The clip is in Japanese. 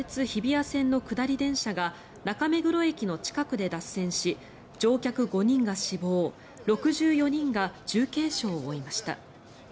日比谷線の下り電車が中目黒駅の近くで脱線し乗客５人が死亡６４人が重軽傷を負いました。